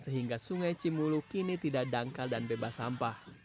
sehingga sungai cimulu kini tidak dangkal dan bebas sampah